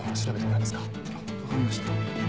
わかりました。